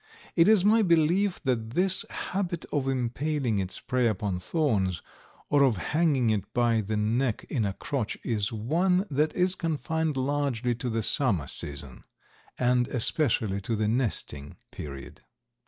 It is my belief that this habit of impaling its prey upon thorns or of hanging it by the neck in a crotch is one that is confined largely to the summer season, and especially to the nesting period.